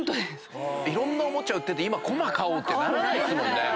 いろんなおもちゃ売ってて今コマ買おうってならない。